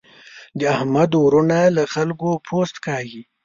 د احمد وروڼه له خلګو پوست کاږي.